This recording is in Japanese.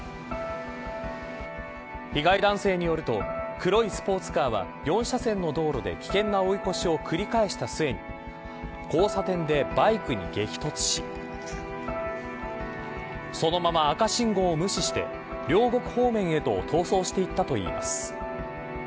被害男性によると黒いスポーツカーは４車線の道路で危険な追い越しを繰り返した末に交差点でバイクに激突しそのまま、赤信号を無視して両国方面へと逃走していったといいます。